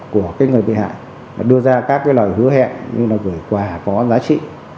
của người bị hại đưa ra các lời hứa hẹn như là gửi quà có giá trị